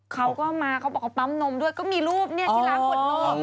เขาก็มาเขาบอกเขาปั๊มนมด้วยก็มีรูปเนี่ยที่ร้านขวดนม